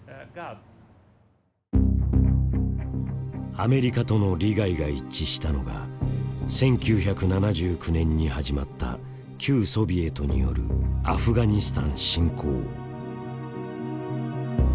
アメリカとの利害が一致したのが１９７９年に始まった旧ソビエトによるアフガニスタン侵攻。